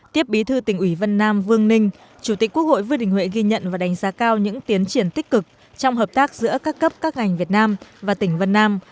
tiếp bí thư tỉnh ủy vân nam vương ninh chủ tịch quốc hội vương đình huệ ghi nhận và đánh giá cao những tiến triển tích cực trong hợp tác giữa các cấp các ngành việt nam và tỉnh vân nam